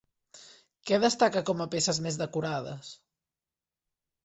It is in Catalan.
Què destaca com a peces més decorades?